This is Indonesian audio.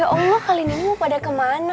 ya allah kalian ini mau pada kemana